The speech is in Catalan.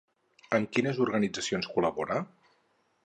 Amb quines organitzacions col·labora?